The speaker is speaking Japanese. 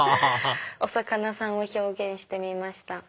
お魚さんを表現してみました。